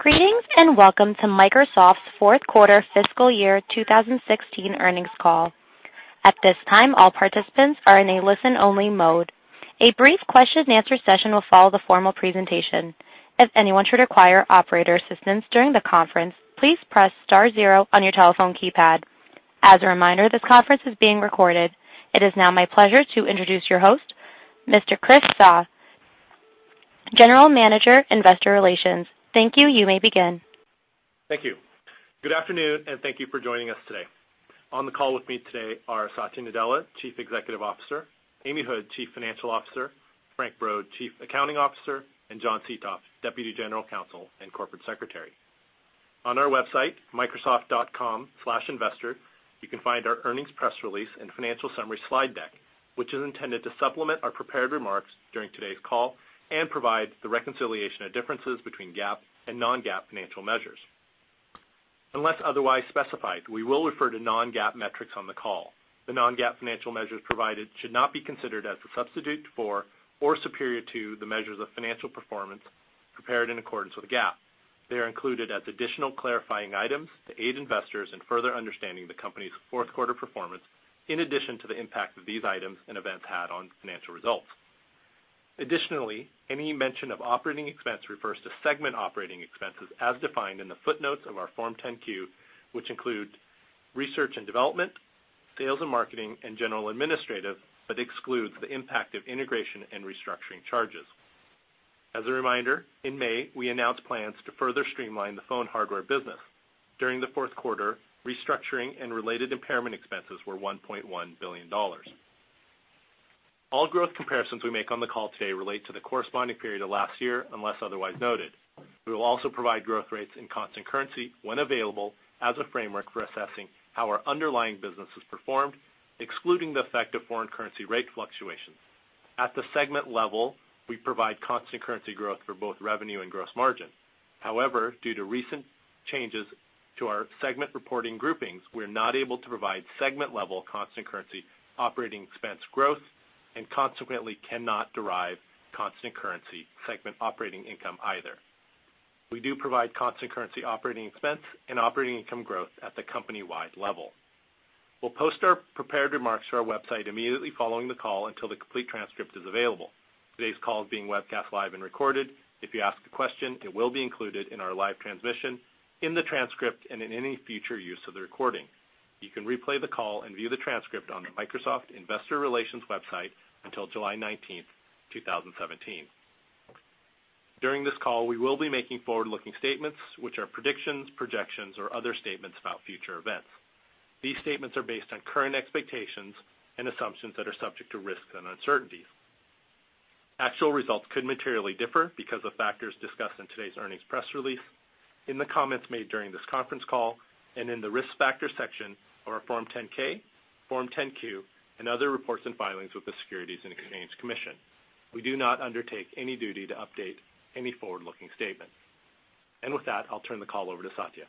Greetings, welcome to Microsoft's fourth quarter fiscal year 2016 earnings call. At this time, all participants are in a listen-only mode. A brief question and answer session will follow the formal presentation. If anyone should require operator assistance during the conference, please press star zero on your telephone keypad. As a reminder, this conference is being recorded. It is now my pleasure to introduce your host, Mr. Chris Suh, General Manager, Investor Relations. Thank you. You may begin. Thank you. Good afternoon, thank you for joining us today. On the call with me today are Satya Nadella, Chief Executive Officer, Amy Hood, Chief Financial Officer, Frank Brod, Chief Accounting Officer, and John Seethoff, Deputy General Counsel and Corporate Secretary. On our website, microsoft.com/investor, you can find our earnings press release and financial summary slide deck, which is intended to supplement our prepared remarks during today's call and provide the reconciliation of differences between GAAP and non-GAAP financial measures. Unless otherwise specified, we will refer to non-GAAP metrics on the call. The non-GAAP financial measures provided should not be considered as a substitute for or superior to the measures of financial performance prepared in accordance with GAAP. They are included as additional clarifying items to aid investors in further understanding the company's fourth quarter performance in addition to the impact that these items and events had on financial results. Additionally, any mention of operating expense refers to segment operating expenses as defined in the footnotes of our Form 10-Q, which include research and development, sales and marketing and general administrative, excludes the impact of integration and restructuring charges. As a reminder, in May, we announced plans to further streamline the phone hardware business. During the fourth quarter, restructuring and related impairment expenses were $1.1 billion. All growth comparisons we make on the call today relate to the corresponding period of last year, unless otherwise noted. We will also provide growth rates in constant currency when available, as a framework for assessing how our underlying business has performed, excluding the effect of foreign currency rate fluctuations. At the segment level, we provide constant currency growth for both revenue and gross margin. However, due to recent changes to our segment reporting groupings, we're not able to provide segment-level constant currency operating expense growth, and consequently cannot derive constant currency segment operating income either. We do provide constant currency operating expense and operating income growth at the company-wide level. We'll post our prepared remarks to our website immediately following the call until the complete transcript is available. Today's call is being webcast live and recorded. If you ask a question, it will be included in our live transmission, in the transcript, and in any future use of the recording. You can replay the call and view the transcript on the Microsoft Investor Relations website until July 19th, 2017. During this call, we will be making forward-looking statements, which are predictions, projections, or other statements about future events. These statements are based on current expectations and assumptions that are subject to risks and uncertainties. Actual results could materially differ because of factors discussed in today's earnings press release, in the comments made during this conference call, and in the risk factors section of our Form 10-K, Form 10-Q and other reports and filings with the Securities and Exchange Commission. We do not undertake any duty to update any forward-looking statement. With that, I'll turn the call over to Satya.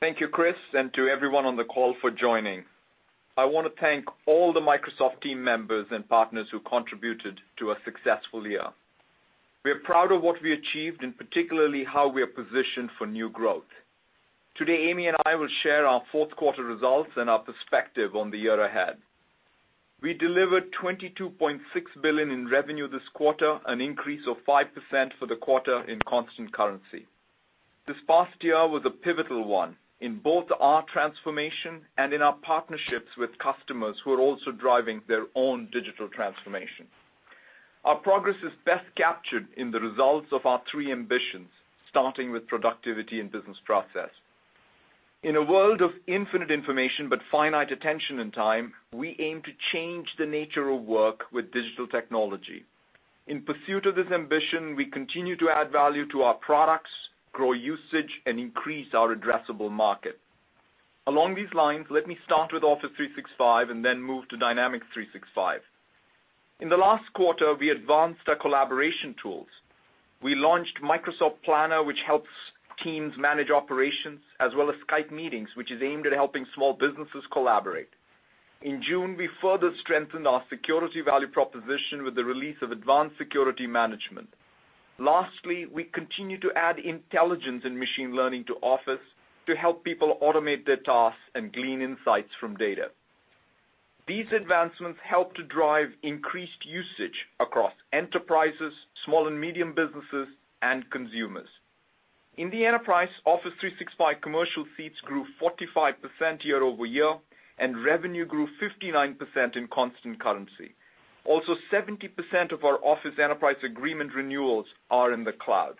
Thank you, Chris, and to everyone on the call for joining. I want to thank all the Microsoft team members and partners who contributed to a successful year. We are proud of what we achieved and particularly how we are positioned for new growth. Today, Amy and I will share our fourth quarter results and our perspective on the year ahead. We delivered $22.6 billion in revenue this quarter, an increase of 5% for the quarter in constant currency. This past year was a pivotal one in both our transformation and in our partnerships with customers who are also driving their own digital transformation. Our progress is best captured in the results of our three ambitions, starting with productivity and business process. In a world of infinite information but finite attention and time, we aim to change the nature of work with digital technology. In pursuit of this ambition, we continue to add value to our products, grow usage, and increase our addressable market. Along these lines, let me start with Office 365 and then move to Dynamics 365. In the last quarter, we advanced our collaboration tools. We launched Microsoft Planner, which helps teams manage operations, as well as Skype Meetings, which is aimed at helping small businesses collaborate. In June, we further strengthened our security value proposition with the release of Advanced Security Management. Lastly, we continue to add intelligence and machine learning to Office to help people automate their tasks and glean insights from data. These advancements help to drive increased usage across enterprises, small and medium businesses, and consumers. In the enterprise, Office 365 commercial seats grew 45% year-over-year, and revenue grew 59% in constant currency. Also, 70% of our Office enterprise agreement renewals are in the cloud.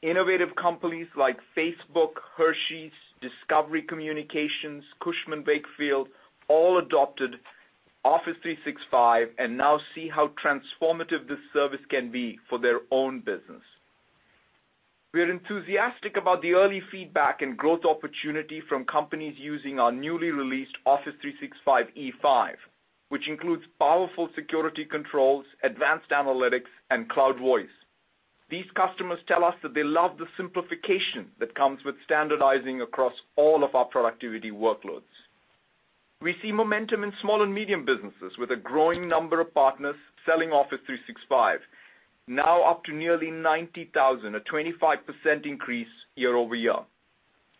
Innovative companies like Facebook, Hershey's, Discovery Communications, Cushman & Wakefield, all adopted Office 365 and now see how transformative this service can be for their own business. We are enthusiastic about the early feedback and growth opportunity from companies using our newly released Office 365 E5, which includes powerful security controls, advanced analytics, and Cloud Voice. These customers tell us that they love the simplification that comes with standardizing across all of our productivity workloads. We see momentum in small and medium businesses with a growing number of partners selling Office 365, now up to nearly 90,000, a 25% increase year-over-year.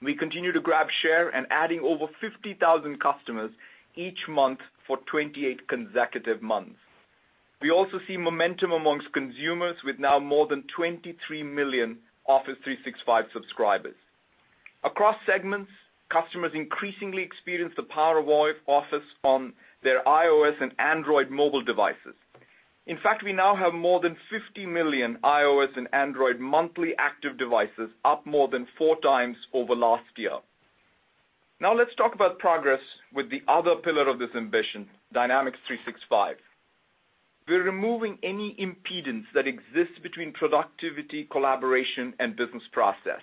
We continue to grab share and adding over 50,000 customers each month for 28 consecutive months. We also see momentum amongst consumers with now more than 23 million Office 365 subscribers. Across segments, customers increasingly experience the power of Office on their iOS and Android mobile devices. In fact, we now have more than 50 million iOS and Android monthly active devices, up more than four times over last year. Let's talk about progress with the other pillar of this ambition, Dynamics 365. We're removing any impedance that exists between productivity, collaboration, and business process.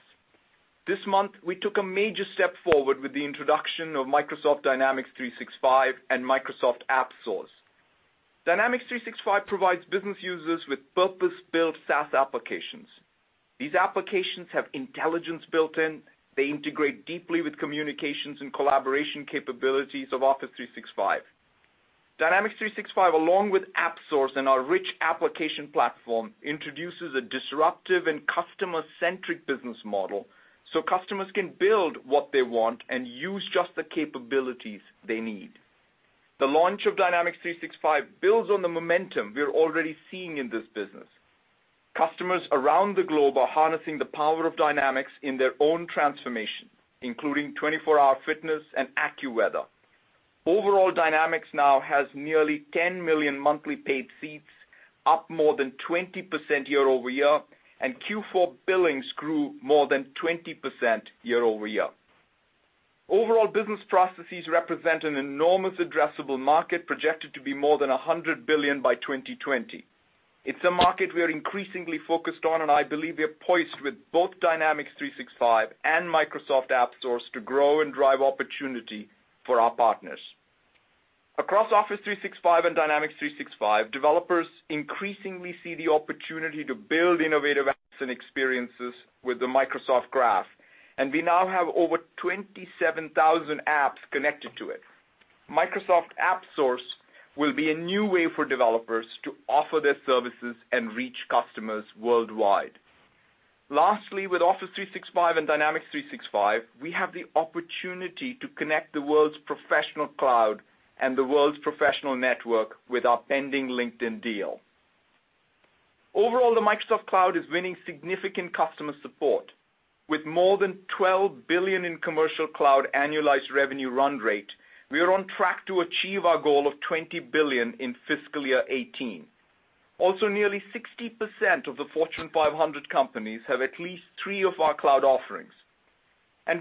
This month, we took a major step forward with the introduction of Microsoft Dynamics 365 and Microsoft AppSource. Dynamics 365 provides business users with purpose-built SaaS applications. These applications have intelligence built in. They integrate deeply with communications and collaboration capabilities of Office 365. Dynamics 365, along with AppSource and our rich application platform, introduces a disruptive and customer-centric business model so customers can build what they want and use just the capabilities they need. The launch of Dynamics 365 builds on the momentum we're already seeing in this business. Customers around the globe are harnessing the power of Dynamics in their own transformation, including 24 Hour Fitness and AccuWeather. Overall, Dynamics now has nearly 10 million monthly paid seats, up more than 20% year-over-year, and Q4 billings grew more than 20% year-over-year. Overall, business processes represent an enormous addressable market projected to be more than $100 billion by 2020. I believe we are poised with both Dynamics 365 and Microsoft AppSource to grow and drive opportunity for our partners. Across Office 365 and Dynamics 365, developers increasingly see the opportunity to build innovative apps and experiences with the Microsoft Graph, and we now have over 27,000 apps connected to it. Microsoft AppSource will be a new way for developers to offer their services and reach customers worldwide. Lastly, with Office 365 and Dynamics 365, we have the opportunity to connect the world's professional cloud and the world's professional network with our pending LinkedIn deal. Overall, the Microsoft Cloud is winning significant customer support. With more than $12 billion in commercial cloud annualized revenue run rate, we are on track to achieve our goal of $20 billion in fiscal year 2018. Nearly 60% of the Fortune 500 companies have at least three of our cloud offerings.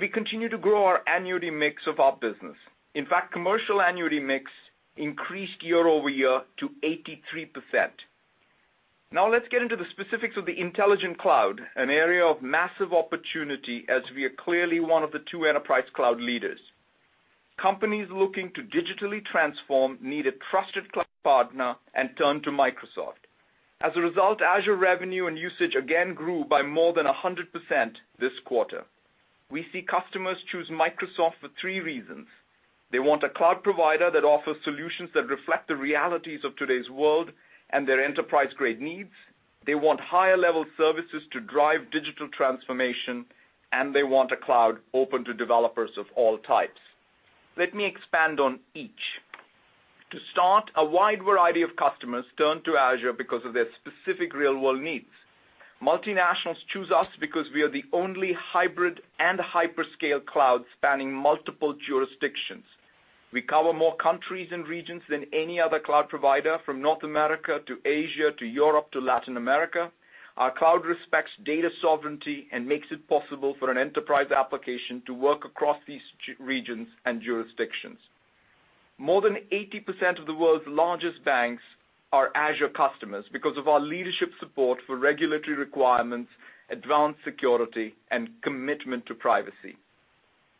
We continue to grow our annuity mix of our business. In fact, commercial annuity mix increased year-over-year to 83%. Let's get into the specifics of the Intelligent Cloud, an area of massive opportunity as we are clearly one of the two enterprise cloud leaders. Companies looking to digitally transform need a trusted cloud partner and turn to Microsoft. Azure revenue and usage again grew by more than 100% this quarter. We see customers choose Microsoft for three reasons. They want a cloud provider that offers solutions that reflect the realities of today's world and their enterprise-grade needs. They want higher-level services to drive digital transformation. They want a cloud open to developers of all types. Let me expand on each. A wide variety of customers turn to Azure because of their specific real-world needs. Multinationals choose us because we are the only hybrid and hyperscale cloud spanning multiple jurisdictions. We cover more countries and regions than any other cloud provider, from North America to Asia to Europe to Latin America. Our cloud respects data sovereignty and makes it possible for an enterprise application to work across these regions and jurisdictions. More than 80% of the world's largest banks are Azure customers because of our leadership support for regulatory requirements, advanced security, and commitment to privacy.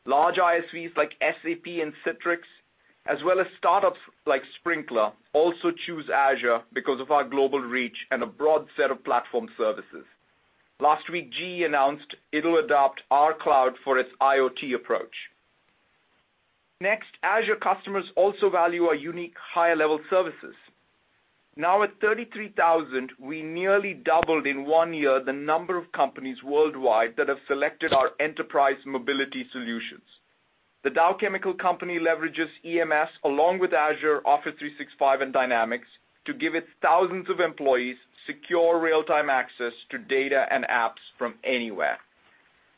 Large ISVs like SAP and Citrix, as well as startups like Sprinklr, also choose Azure because of our global reach and a broad set of platform services. Last week, GE announced it will adopt our cloud for its IoT approach. Azure customers also value our unique higher-level services. Now at 33,000, we nearly doubled in one year the number of companies worldwide that have selected our enterprise mobility solutions. The Dow Chemical Company leverages EMS along with Azure, Office 365, and Dynamics to give its thousands of employees secure real-time access to data and apps from anywhere.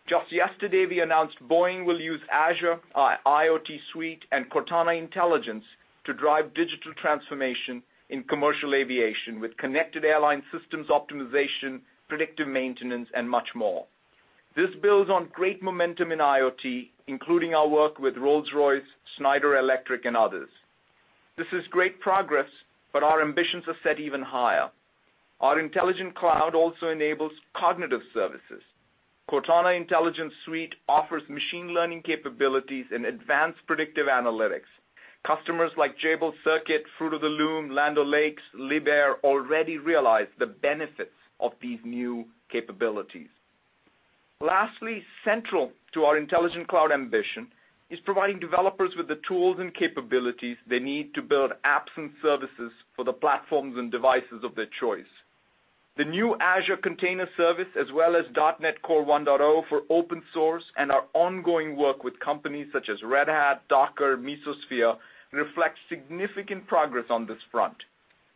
Just yesterday, we announced Boeing will use Azure, our IoT Suite, and Cortana Intelligence to drive digital transformation in commercial aviation with connected airline systems optimization, predictive maintenance, and much more. This builds on great momentum in IoT, including our work with Rolls-Royce, Schneider Electric, and others. This is great progress. Our intelligent cloud also enables cognitive services. Cortana Intelligence Suite offers machine learning capabilities and advanced predictive analytics. Customers like Jabil Circuit, Fruit of the Loom, Land O'Lakes, Liebherr, already realize the benefits of these new capabilities. Central to our intelligent cloud ambition is providing developers with the tools and capabilities they need to build apps and services for the platforms and devices of their choice. The new Azure Container Service, as well as .NET Core 1.0 for open source, and our ongoing work with companies such as Red Hat, Docker, Mesosphere, reflect significant progress on this front.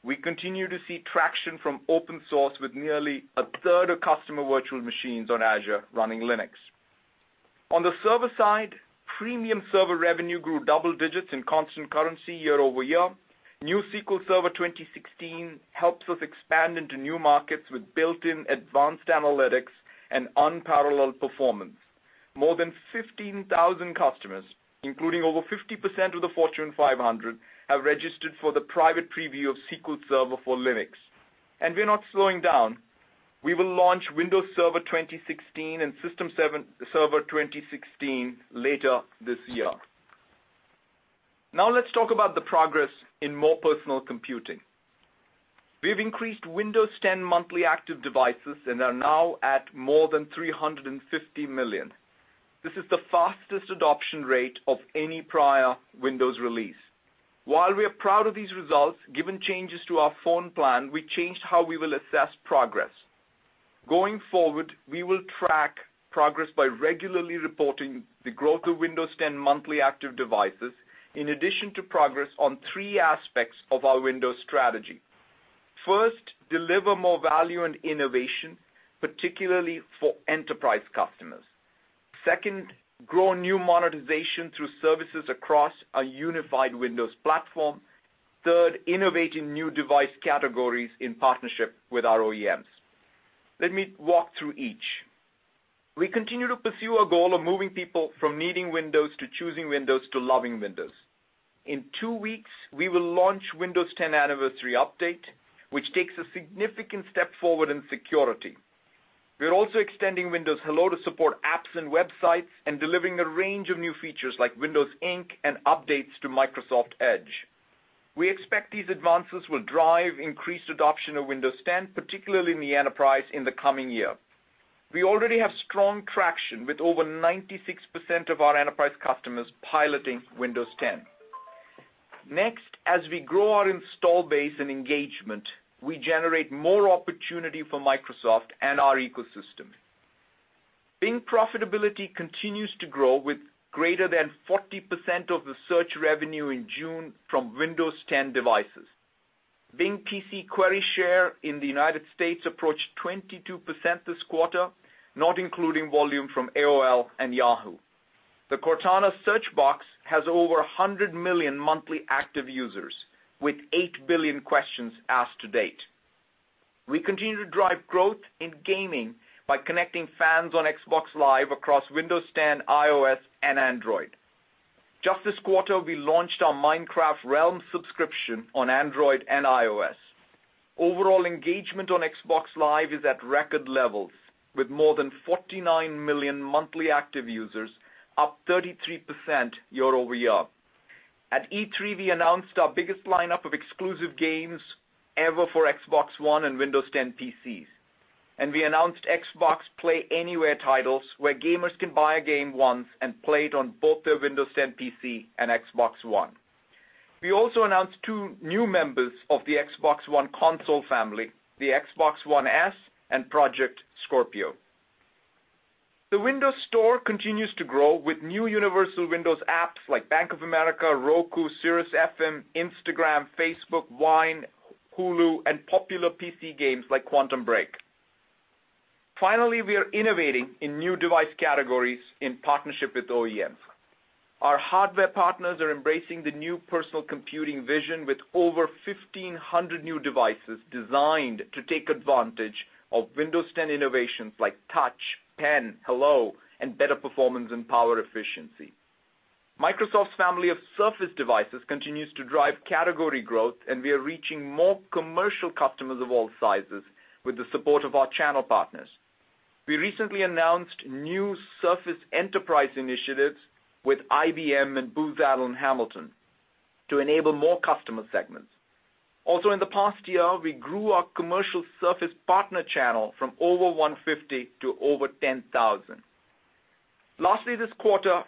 We continue to see traction from open source with nearly a third of customer virtual machines on Azure running Linux. On the server side, premium server revenue grew double digits in constant currency year-over-year. New SQL Server 2016 helps us expand into new markets with built-in advanced analytics and unparalleled performance. More than 15,000 customers, including over 50% of the Fortune 500, have registered for the private preview of SQL Server for Linux. We are not slowing down. We will launch Windows Server 2016 and System Center 2016 later this year. Let's talk about the progress in more personal computing. We have increased Windows 10 monthly active devices and are now at more than 350 million. This is the fastest adoption rate of any prior Windows release. While we are proud of these results, given changes to our phone plan, we changed how we will assess progress. Going forward, we will track progress by regularly reporting the growth of Windows 10 monthly active devices, in addition to progress on three aspects of our Windows strategy. First, deliver more value and innovation, particularly for enterprise customers. Second, grow new monetization through services across a unified Windows platform. Third, innovate in new device categories in partnership with our OEMs. Let me walk through each. We continue to pursue our goal of moving people from needing Windows, to choosing Windows, to loving Windows. In two weeks, we will launch Windows 10 Anniversary Update, which takes a significant step forward in security. We're also extending Windows Hello to support apps and websites and delivering a range of new features like Windows Ink and updates to Microsoft Edge. We expect these advances will drive increased adoption of Windows 10, particularly in the enterprise in the coming year. We already have strong traction, with over 96% of our enterprise customers piloting Windows 10. As we grow our install base and engagement, we generate more opportunity for Microsoft and our ecosystem. Bing profitability continues to grow, with greater than 40% of the search revenue in June from Windows 10 devices. Bing PC query share in the U.S. approached 22% this quarter, not including volume from AOL and Yahoo. The Cortana search box has over 100 million monthly active users, with 8 billion questions asked to date. We continue to drive growth in gaming by connecting fans on Xbox Live across Windows 10, iOS, and Android. Just this quarter, we launched our Minecraft Realms subscription on Android and iOS. Overall engagement on Xbox Live is at record levels, with more than 49 million monthly active users, up 33% year-over-year. At E3, we announced our biggest lineup of exclusive games ever for Xbox One and Windows 10 PCs, and we announced Xbox Play Anywhere titles, where gamers can buy a game once and play it on both their Windows 10 PC and Xbox One. We also announced two new members of the Xbox One console family, the Xbox One S and Project Scorpio. The Windows Store continues to grow with new universal Windows apps like Bank of America, Roku, SiriusXM, Instagram, Facebook, Vine, Hulu, and popular PC games like Quantum Break. Finally, we are innovating in new device categories in partnership with OEMs. Our hardware partners are embracing the new personal computing vision with over 1,500 new devices designed to take advantage of Windows 10 innovations like touch, pen, Hello, and better performance and power efficiency. Microsoft's family of Surface devices continues to drive category growth, and we are reaching more commercial customers of all sizes with the support of our channel partners. We recently announced new Surface enterprise initiatives with IBM and Booz Allen Hamilton to enable more customer segments. Also, in the past year, we grew our commercial Surface partner channel from over 150 to over 10,000. Lastly, this quarter,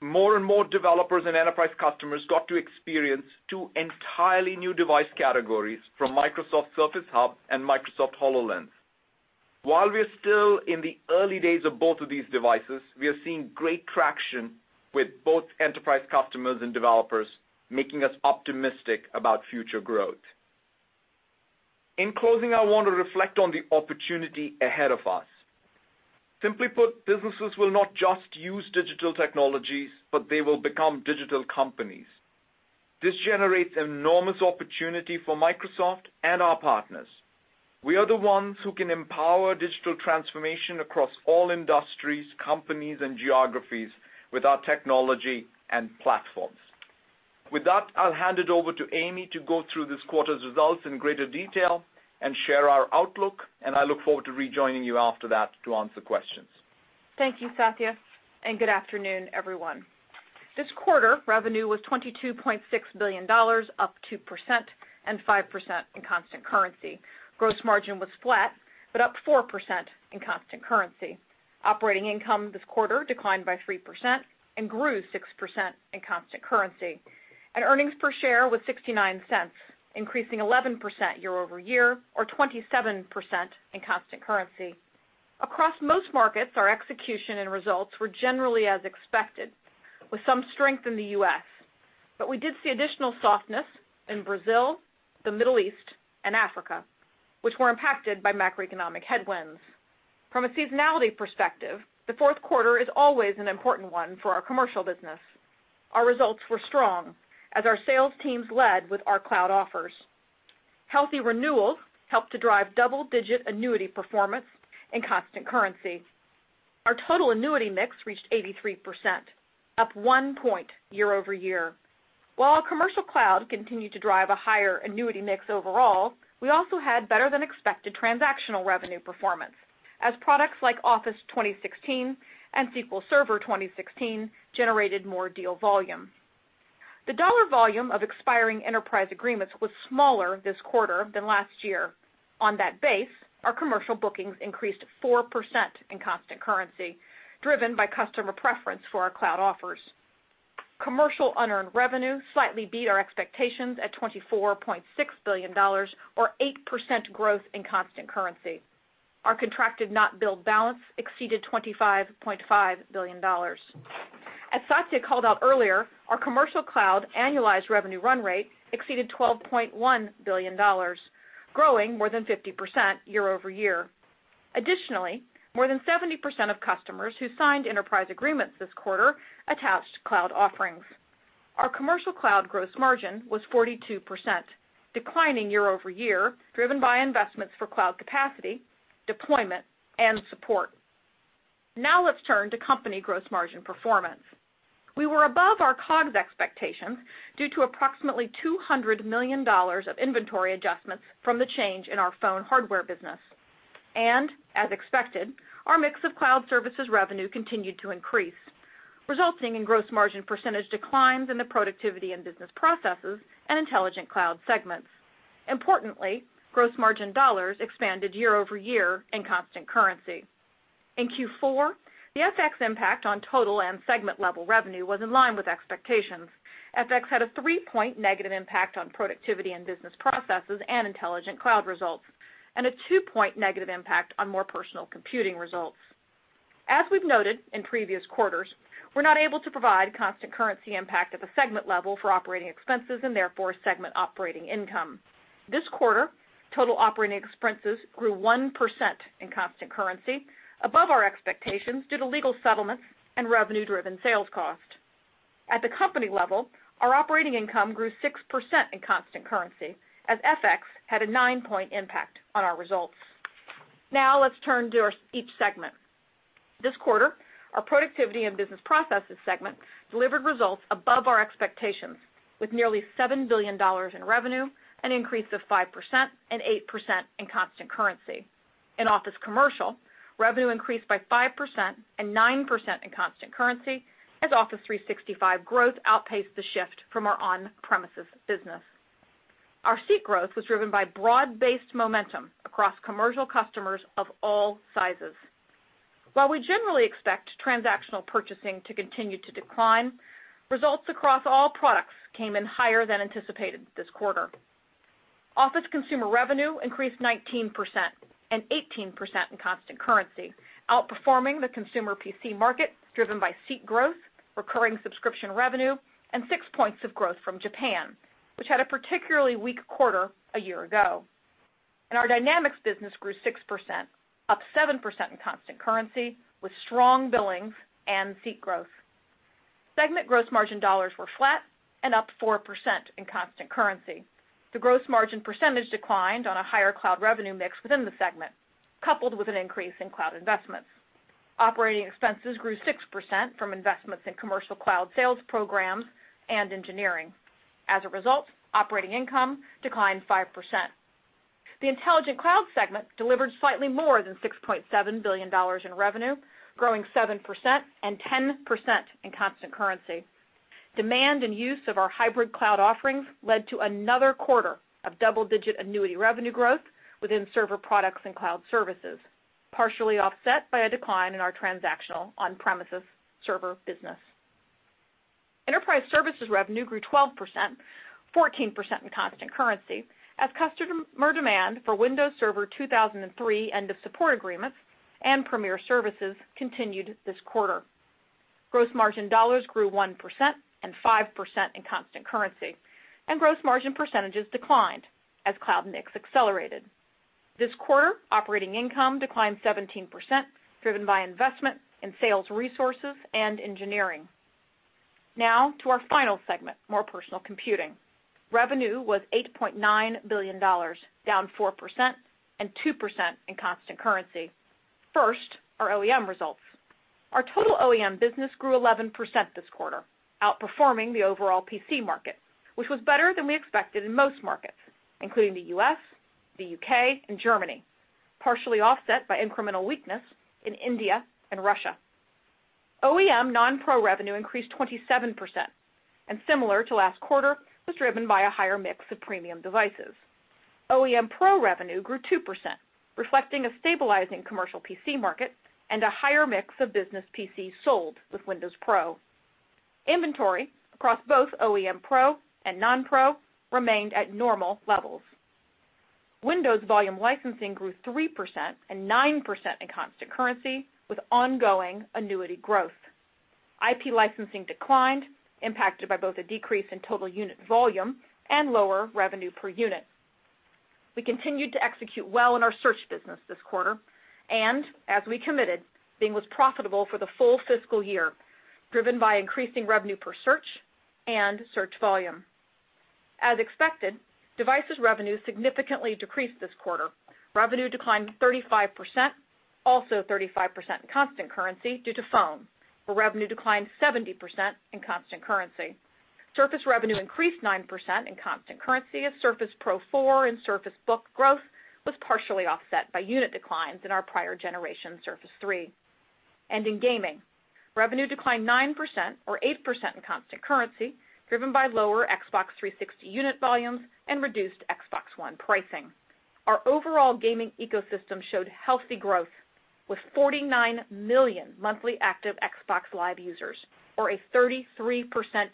more and more developers and enterprise customers got to experience two entirely new device categories from Microsoft Surface Hub and Microsoft HoloLens. While we are still in the early days of both of these devices, we are seeing great traction with both enterprise customers and developers, making us optimistic about future growth. In closing, I want to reflect on the opportunity ahead of us. Simply put, businesses will not just use digital technologies, but they will become digital companies. This generates enormous opportunity for Microsoft and our partners. We are the ones who can empower digital transformation across all industries, companies, and geographies with our technology and platforms. With that, I'll hand it over to Amy to go through this quarter's results in greater detail and share our outlook, and I look forward to rejoining you after that to answer questions. Thank you, Satya, and good afternoon, everyone. This quarter, revenue was $22.6 billion, up 2% and 5% in constant currency. Gross margin was flat, up 4% in constant currency. Operating income this quarter declined by 3% and grew 6% in constant currency, earnings per share was $0.69, increasing 11% year-over-year or 27% in constant currency. Across most markets, our execution and results were generally as expected, with some strength in the U.S., we did see additional softness in Brazil, the Middle East, and Africa, which were impacted by macroeconomic headwinds. From a seasonality perspective, the fourth quarter is always an important one for our commercial business. Our results were strong as our sales teams led with our cloud offers. Healthy renewals helped to drive double-digit annuity performance in constant currency. Our total annuity mix reached 83%, up one point year-over-year. While our commercial cloud continued to drive a higher annuity mix overall, we also had better than expected transactional revenue performance as products like Office 2016 and SQL Server 2016 generated more deal volume. The dollar volume of expiring enterprise agreements was smaller this quarter than last year. On that base, our commercial bookings increased 4% in constant currency, driven by customer preference for our cloud offers. Commercial unearned revenue slightly beat our expectations at $24.6 billion or 8% growth in constant currency. Our contracted not billed balance exceeded $25.5 billion. As Satya called out earlier, our commercial cloud annualized revenue run rate exceeded $12.1 billion, growing more than 50% year-over-year. Additionally, more than 70% of customers who signed enterprise agreements this quarter attached cloud offerings. Our commercial cloud gross margin was 42%, declining year-over-year, driven by investments for cloud capacity, deployment, and support. Now let's turn to company gross margin performance. We were above our COGS expectations due to approximately $200 million of inventory adjustments from the change in our phone hardware business. As expected, our mix of cloud services revenue continued to increase, resulting in gross margin percentage declines in the Productivity and Business Processes and Intelligent Cloud segments. Importantly, gross margin dollars expanded year-over-year in constant currency. In Q4, the FX impact on total and segment level revenue was in line with expectations. FX had a three-point negative impact on Productivity and Business Processes and Intelligent Cloud results, and a two-point negative impact on More Personal Computing results. As we've noted in previous quarters, we're not able to provide constant currency impact at the segment level for operating expenses and therefore segment operating income. This quarter, total operating expenses grew 1% in constant currency above our expectations due to legal settlements and revenue-driven sales cost. At the company level, our operating income grew 6% in constant currency as FX had a nine-point impact on our results. Now let's turn to each segment. This quarter, our Productivity and Business Processes segment delivered results above our expectations with nearly $7 billion in revenue, an increase of 5% and 8% in constant currency. In Office Commercial, revenue increased by 5% and 9% in constant currency as Office 365 growth outpaced the shift from our on-premises business. Our seat growth was driven by broad-based momentum across commercial customers of all sizes. While we generally expect transactional purchasing to continue to decline, results across all products came in higher than anticipated this quarter. Office Consumer revenue increased 19% and 18% in constant currency, outperforming the consumer PC market driven by seat growth, recurring subscription revenue, and six points of growth from Japan, which had a particularly weak quarter a year ago. Our Dynamics business grew 6%, up 7% in constant currency with strong billings and seat growth. Segment gross margin dollars were flat and up 4% in constant currency. The gross margin percentage declined on a higher cloud revenue mix within the segment, coupled with an increase in cloud investments. Operating expenses grew 6% from investments in commercial cloud sales programs and engineering. Operating income declined 5%. The Intelligent Cloud segment delivered slightly more than $6.7 billion in revenue, growing 7% and 10% in constant currency. Demand and use of our hybrid cloud offerings led to another quarter of double-digit annuity revenue growth within server products and cloud services, partially offset by a decline in our transactional on-premises server business. Enterprise Services revenue grew 12%, 14% in constant currency as customer demand for Windows Server 2003 end of support agreements and premier services continued this quarter. Gross margin dollars grew 1% and 5% in constant currency, gross margin percentages declined as cloud mix accelerated. This quarter, operating income declined 17%, driven by investment in sales resources and engineering. To our final segment, More Personal Computing. Revenue was $8.9 billion, down 4% and 2% in constant currency. Our OEM results. Our total OEM business grew 11% this quarter, outperforming the overall PC market, which was better than we expected in most markets, including the U.S., the U.K., and Germany. Partially offset by incremental weakness in India and Russia. OEM non-pro revenue increased 27% and similar to last quarter, was driven by a higher mix of premium devices. OEM pro revenue grew 2%, reflecting a stabilizing commercial PC market and a higher mix of business PCs sold with Windows Pro. Inventory across both OEM pro and non-pro remained at normal levels. Windows volume licensing grew 3% and 9% in constant currency, with ongoing annuity growth. IP licensing declined, impacted by both a decrease in total unit volume and lower revenue per unit. We continued to execute well in our search business this quarter. As we committed, Bing was profitable for the full fiscal year, driven by increasing revenue per search and search volume. Devices revenue significantly decreased this quarter. Revenue declined 35%, also 35% in constant currency due to phone, where revenue declined 70% in constant currency. Surface revenue increased 9% in constant currency as Surface Pro 4 and Surface Book growth was partially offset by unit declines in our prior generation Surface 3. In gaming, revenue declined 9% or 8% in constant currency, driven by lower Xbox 360 unit volumes and reduced Xbox One pricing. Our overall gaming ecosystem showed healthy growth with 49 million monthly active Xbox Live users or a 33%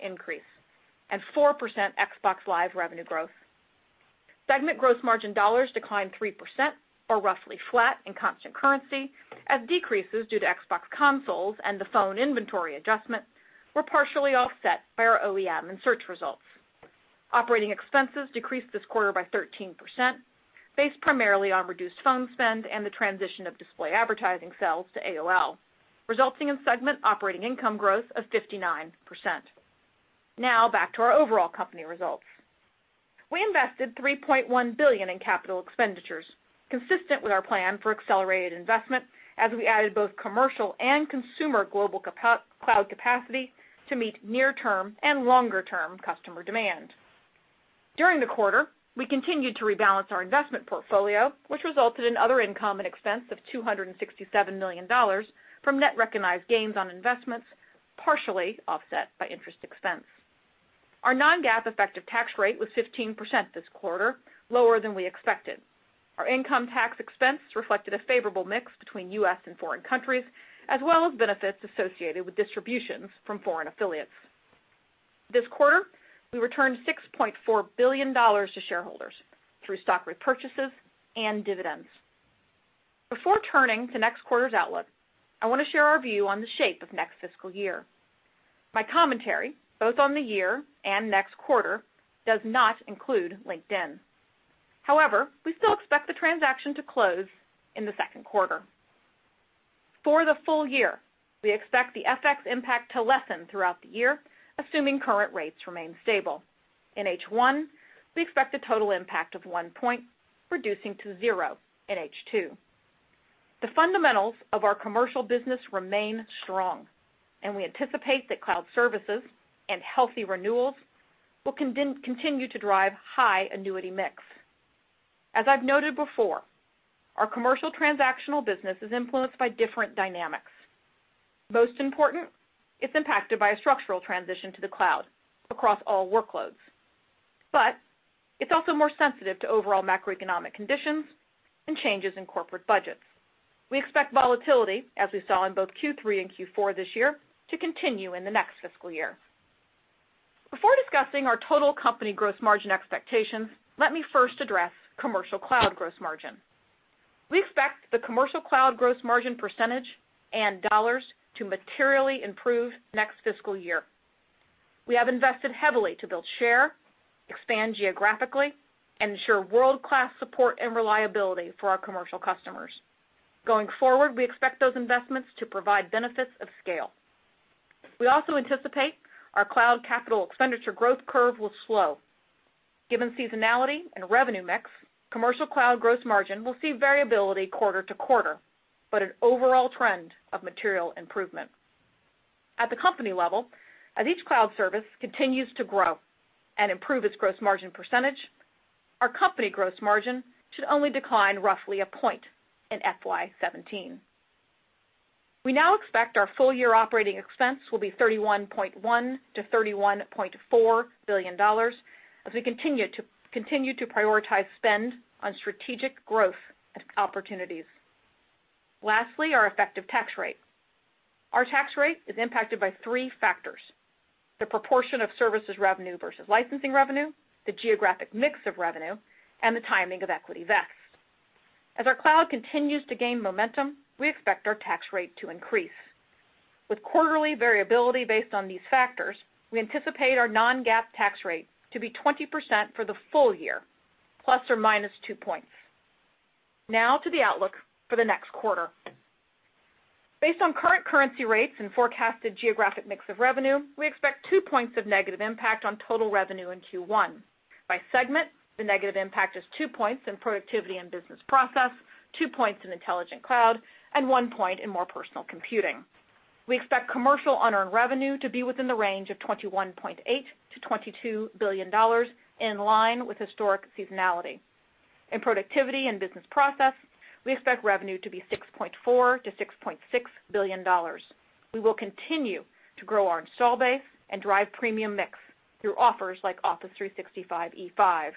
increase and 4% Xbox Live revenue growth. Segment gross margin dollars declined 3% or roughly flat in constant currency as decreases due to Xbox consoles and the phone inventory adjustment were partially offset by our OEM and search results. Operating expenses decreased this quarter by 13%, based primarily on reduced phone spend and the transition of display advertising sales to AOL, resulting in segment operating income growth of 59%. We invested $3.1 billion in capital expenditures, consistent with our plan for accelerated investment as we added both commercial and consumer global cloud capacity to meet near term and longer-term customer demand. During the quarter, we continued to rebalance our investment portfolio, which resulted in other income and expense of $267 million from net recognized gains on investments, partially offset by interest expense. Our non-GAAP effective tax rate was 15% this quarter, lower than we expected. Our income tax expense reflected a favorable mix between U.S. and foreign countries, as well as benefits associated with distributions from foreign affiliates. This quarter, we returned $6.4 billion to shareholders through stock repurchases and dividends. Before turning to next quarter's outlook, I want to share our view on the shape of next fiscal year. My commentary, both on the year and next quarter, does not include LinkedIn. We still expect the transaction to close in the second quarter. For the full year, we expect the FX impact to lessen throughout the year, assuming current rates remain stable. In H1, we expect a total impact of one point, reducing to zero in H2. The fundamentals of our commercial business remain strong. We anticipate that cloud services and healthy renewals will continue to drive high annuity mix. As I've noted before, our commercial transactional business is influenced by different dynamics. Most important, it's impacted by a structural transition to the cloud across all workloads. It's also more sensitive to overall macroeconomic conditions and changes in corporate budgets. We expect volatility, as we saw in both Q3 and Q4 this year, to continue in the next fiscal year. Before discussing our total company gross margin expectations, let me first address commercial cloud gross margin. We expect the commercial cloud gross margin percentage and dollars to materially improve next fiscal year. We have invested heavily to build share, expand geographically, and ensure world-class support and reliability for our commercial customers. Going forward, we expect those investments to provide benefits of scale. We also anticipate our cloud capital expenditure growth curve will slow. Given seasonality and revenue mix, commercial cloud gross margin will see variability quarter to quarter, but an overall trend of material improvement. At the company level, as each cloud service continues to grow and improve its gross margin percentage, our company gross margin should only decline roughly a point in FY 2017. We now expect our full-year operating expense will be $31.1 billion-$31.4 billion as we continue to prioritize spend on strategic growth opportunities. Lastly, our effective tax rate. Our tax rate is impacted by three factors, the proportion of services revenue versus licensing revenue, the geographic mix of revenue, and the timing of equity vest. As our cloud continues to gain momentum, we expect our tax rate to increase. With quarterly variability based on these factors, we anticipate our non-GAAP tax rate to be 20% for the full year, ± two points. To the outlook for the next quarter. Based on current currency rates and forecasted geographic mix of revenue, we expect two points of negative impact on total revenue in Q1. By segment, the negative impact is two points in productivity and business process, two points in intelligent cloud, and one point in more personal computing. We expect commercial unearned revenue to be within the range of $21.8 billion-$22 billion, in line with historic seasonality. In productivity and business process, we expect revenue to be $6.4 billion to $6.6 billion. We will continue to grow our install base and drive premium mix through offers like Office 365 E5.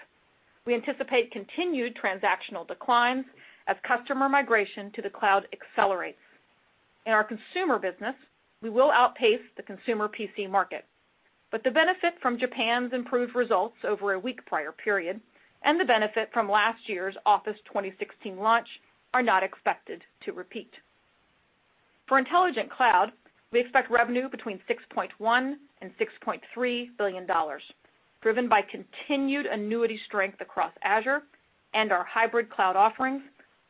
We anticipate continued transactional declines as customer migration to the cloud accelerates. In our consumer business, we will outpace the consumer PC market, but the benefit from Japan's improved results over a week prior period and the benefit from last year's Office 2016 launch are not expected to repeat. For Intelligent Cloud, we expect revenue between $6.1 billion and $6.3 billion, driven by continued annuity strength across Azure and our hybrid cloud offerings,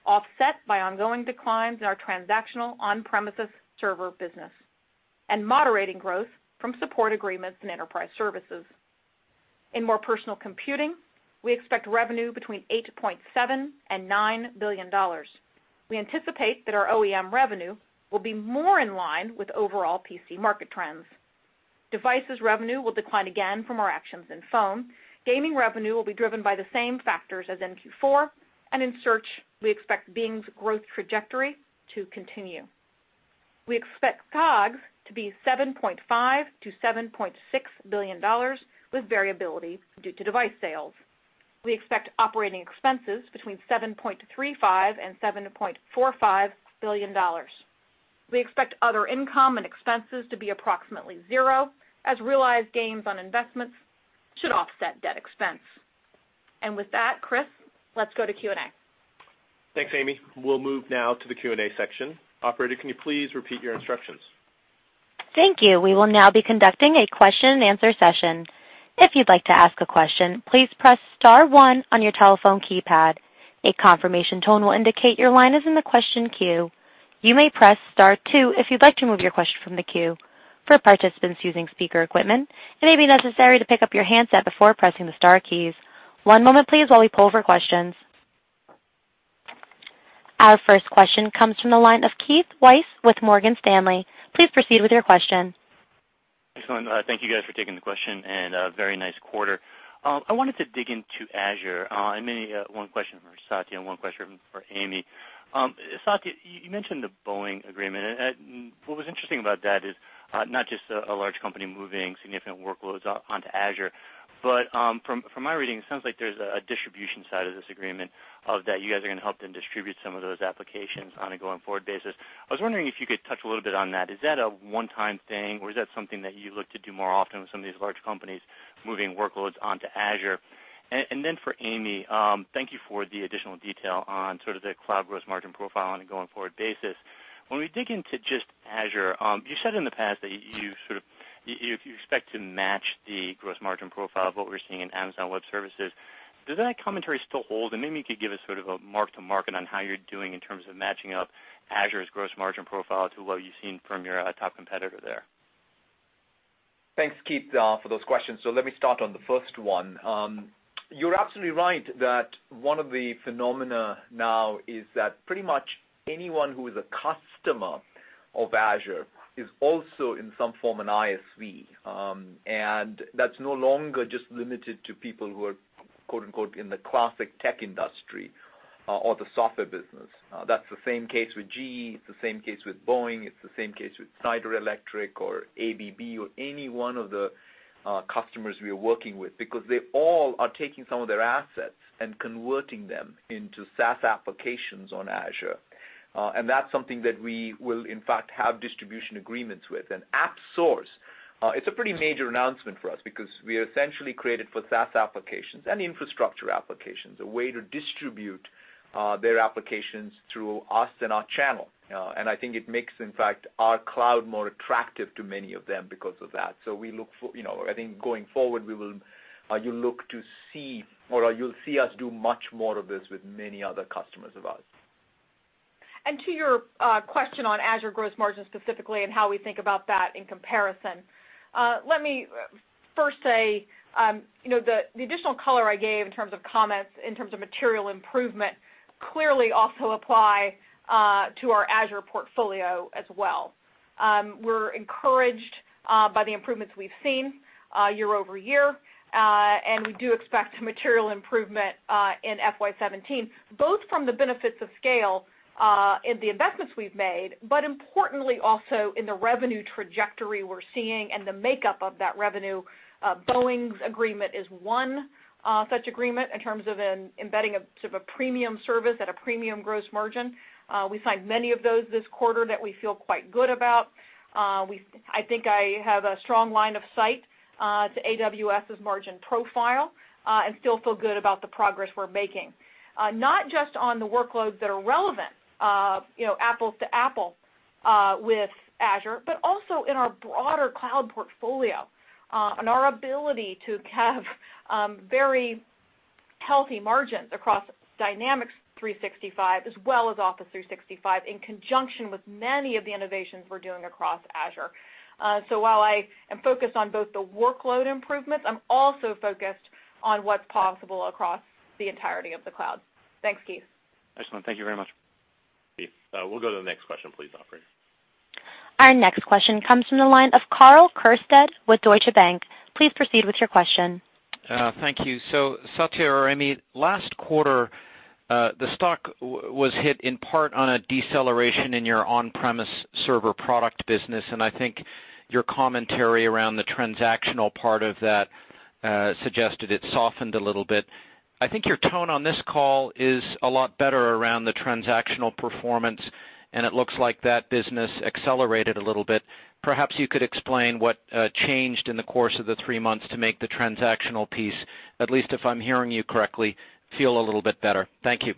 offset by ongoing declines in our transactional on-premises server business, and moderating growth from support agreements and enterprise services. In more personal computing, we expect revenue between $8.7 billion and $9 billion. We anticipate that our OEM revenue will be more in line with overall PC market trends. Devices revenue will decline again from our actions in phone. Gaming revenue will be driven by the same factors as in Q4, and in search, we expect Bing's growth trajectory to continue. We expect COGS to be $7.5 billion to $7.6 billion, with variability due to device sales. We expect operating expenses between $7.35 billion and $7.45 billion. We expect other income and expenses to be approximately zero, as realized gains on investments should offset debt expense. With that, Chris, let's go to Q&A. Thanks, Amy. We'll move now to the Q&A section. Operator, can you please repeat your instructions? Thank you. We will now be conducting a question and answer session. If you'd like to ask a question, please press *1 on your telephone keypad. A confirmation tone will indicate your line is in the question queue. You may press *2 if you'd like to remove your question from the queue. For participants using speaker equipment, it may be necessary to pick up your handset before pressing the star keys. One moment please while we poll for questions. Our first question comes from the line of Keith Weiss with Morgan Stanley. Please proceed with your question. Excellent. Thank you guys for taking the question, and a very nice quarter. I wanted to dig into Azure. I mainly got one question for Satya and one question for Amy. Satya, you mentioned the Boeing agreement, and what was interesting about that is not just a large company moving significant workloads onto Azure, but from my reading, it sounds like there's a distribution side of this agreement, that you guys are going to help them distribute some of those applications on a going-forward basis. I was wondering if you could touch a little bit on that. Is that a one-time thing, or is that something that you look to do more often with some of these large companies moving workloads onto Azure? Then for Amy, thank you for the additional detail on sort of the cloud gross margin profile on a going-forward basis. When we dig into just Azure, you said in the past that you expect to match the gross margin profile of what we're seeing in Amazon Web Services. Does that commentary still hold? Maybe you could give us sort of a mark-to-market on how you're doing in terms of matching up Azure's gross margin profile to what you've seen from your top competitor there. Thanks, Keith, for those questions. Let me start on the first one. You're absolutely right that one of the phenomena now is that pretty much anyone who is a customer of Azure is also in some form an ISV, and that's no longer just limited to people who are, quote-unquote, "in the classic tech industry," or the software business. That's the same case with GE, it's the same case with Boeing, it's the same case with Schneider Electric or ABB or any one of the customers we are working with because they all are taking some of their assets and converting them into SaaS applications on Azure. That's something that we will in fact have distribution agreements with. AppSource, it's a pretty major announcement for us because we essentially created for SaaS applications and infrastructure applications, a way to distribute their applications through us and our channel. I think it makes, in fact, our cloud more attractive to many of them because of that. I think going forward, you'll see us do much more of this with many other customers of ours. To your question on Azure gross margin specifically and how we think about that in comparison, let me first say the additional color I gave in terms of comments, in terms of material improvement, clearly also apply to our Azure portfolio as well. We're encouraged by the improvements we've seen year-over-year, and we do expect material improvement in FY 2017, both from the benefits of scale in the investments we've made, but importantly also in the revenue trajectory we're seeing and the makeup of that revenue. Boeing's agreement is one such agreement in terms of embedding a sort of a premium service at a premium gross margin. We signed many of those this quarter that we feel quite good about. I think I have a strong line of sight to AWS's margin profile and still feel good about the progress we're making, not just on the workloads that are relevant, apples to apple with Azure, but also in our broader cloud portfolio, and our ability to have very healthy margins across Dynamics 365 as well as Office 365 in conjunction with many of the innovations we're doing across Azure. While I am focused on both the workload improvements, I'm also focused on what's possible across the entirety of the cloud. Thanks, Keith. Excellent. Thank you very much. We'll go to the next question, please, operator. Our next question comes from the line of Karl Keirstead with Deutsche Bank. Please proceed with your question. Thank you. Satya or Amy, last quarter, the stock was hit in part on a deceleration in your on-premise server product business, and I think your commentary around the transactional part of that suggested it softened a little bit. I think your tone on this call is a lot better around the transactional performance, and it looks like that business accelerated a little bit. Perhaps you could explain what changed in the course of the three months to make the transactional piece, at least if I'm hearing you correctly, feel a little bit better. Thank you.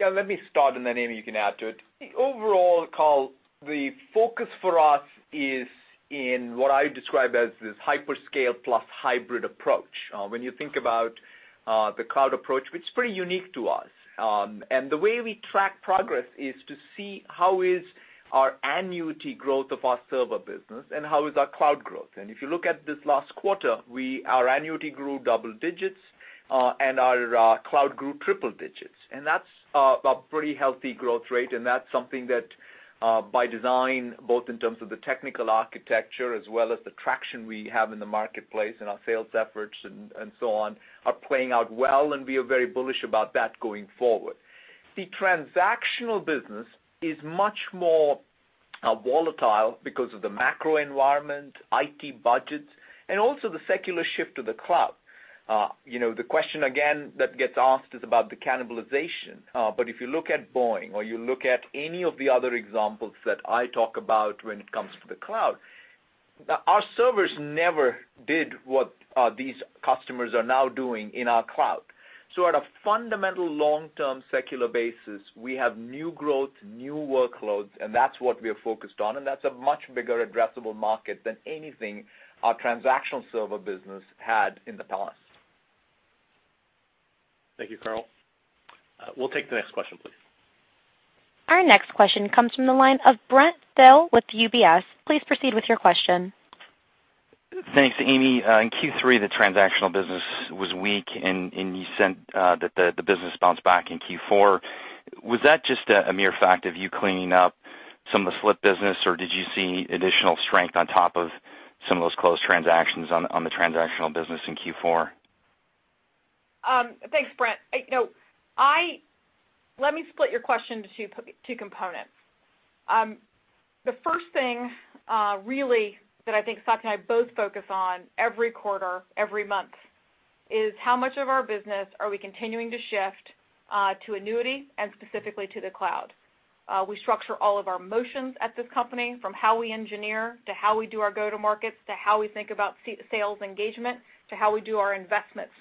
Let me start, and then, Amy, you can add to it. The overall call, the focus for us is in what I describe as this hyperscale plus hybrid approach. When you think about the cloud approach, which is pretty unique to us. The way we track progress is to see how is our annuity growth of our server business and how is our cloud growth. If you look at this last quarter, our annuity grew double digits, and our cloud grew triple digits. That's a pretty healthy growth rate, and that's something that by design, both in terms of the technical architecture as well as the traction we have in the marketplace and our sales efforts and so on, are playing out well, and we are very bullish about that going forward. The transactional business is much more volatile because of the macro environment, IT budgets, and also the secular shift to the cloud. The question again that gets asked is about the cannibalization. If you look at Boeing or you look at any of the other examples that I talk about when it comes to the cloud, our servers never did what these customers are now doing in our cloud. At a fundamental long-term secular basis, we have new growth, new workloads, and that's what we are focused on, and that's a much bigger addressable market than anything our transactional server business had in the past. Thank you, Karl. We'll take the next question, please. Our next question comes from the line of Brent Thill with UBS. Please proceed with your question. Thanks, Amy. In Q3, the transactional business was weak, and you said that the business bounced back in Q4. Was that just a mere fact of you cleaning up some of the slip business, or did you see additional strength on top of some of those close transactions on the transactional business in Q4? Thanks, Brent. Let me split your question into two components. The first thing really that I think Satya and I both focus on every quarter, every month, is how much of our business are we continuing to shift to annuity and specifically to the cloud. We structure all of our motions at this company, from how we engineer to how we do our go-to markets, to how we think about sales engagement, to how we do our investments,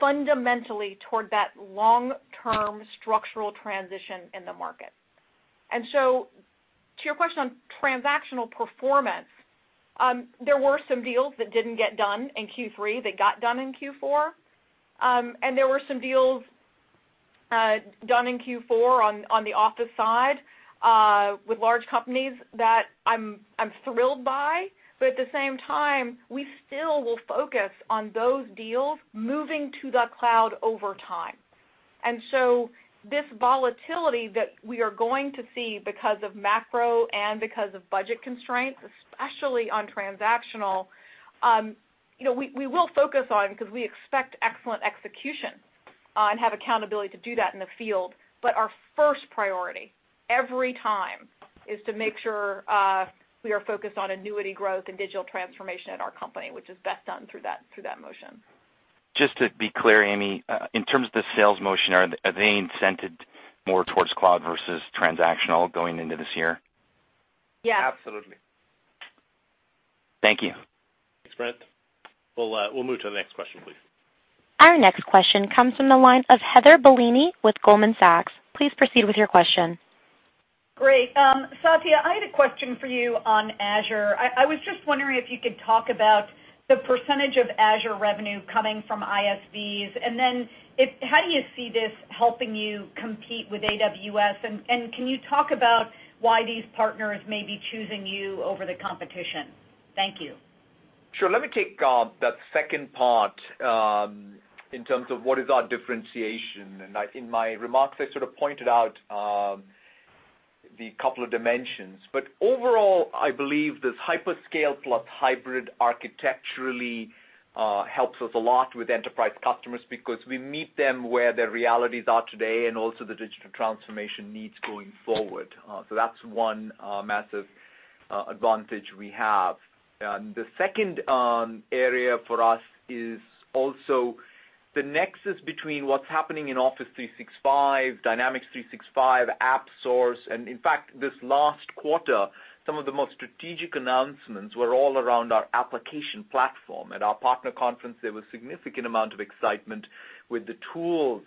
fundamentally toward that long-term structural transition in the market. To your question on transactional performance, there were some deals that didn't get done in Q3 that got done in Q4. There were some deals done in Q4 on the Office side with large companies that I'm thrilled by. At the same time, we still will focus on those deals moving to the cloud over time. This volatility that we are going to see because of macro and because of budget constraints, especially on transactional, we will focus on because we expect excellent execution and have accountability to do that in the field. Our first priority every time is to make sure we are focused on annuity growth and digital transformation at our company, which is best done through that motion. Just to be clear, Amy, in terms of the sales motion, are they incented more towards cloud versus transactional going into this year? Yeah. Absolutely. Thank you. Thanks, Brent. We'll move to the next question, please. Our next question comes from the line of Heather Bellini with Goldman Sachs. Please proceed with your question. Great. Satya, I had a question for you on Azure. I was just wondering if you could talk about the percentage of Azure revenue coming from ISVs, and then how do you see this helping you compete with AWS? Can you talk about why these partners may be choosing you over the competition? Thank you. Sure. Let me take that second part in terms of what is our differentiation. In my remarks, I sort of pointed out the couple of dimensions. Overall, I believe this hyperscale plus hybrid architecturally helps us a lot with enterprise customers because we meet them where their realities are today and also the digital transformation needs going forward. That's one massive advantage we have. The second area for us is also the nexus between what's happening in Office 365, Dynamics 365, AppSource, and in fact, this last quarter, some of the most strategic announcements were all around our application platform. At our partner conference, there was significant amount of excitement with the tools